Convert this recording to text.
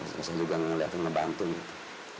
saya juga ngeliatin ngebantu gitu